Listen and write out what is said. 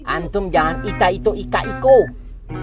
antum jangan ikat itu ikat ikut